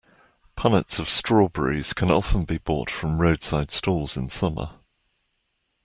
Punnets of strawberries can often be bought from roadside stalls in summer